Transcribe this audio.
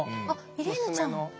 イレーヌちゃん。